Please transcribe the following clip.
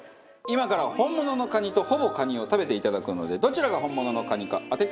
今から本物のカニとほぼカニを食べていただくのでどちらが本物のカニか当ててください。